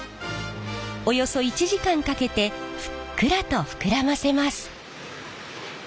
およそ１時間かけてふっくらと膨らませます。